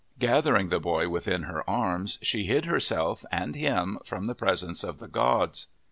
Gathering the boy within her arms, she hid herself and him from the presence of the gods.